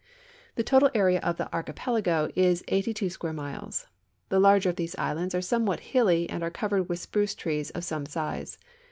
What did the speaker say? The total area of the archipelago is eighty two square miles. The larger of these islands are somewhat hilly and are covered with spruce trees of some size.